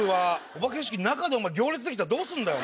お化け屋敷の中で行列できたらどうすんだよ！